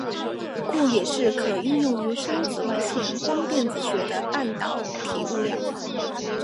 故也是可应用于深紫外线光电子学的半导体物料。